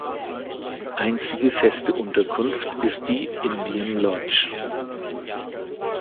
Einzige feste Unterkunft ist die "Indian Lodge".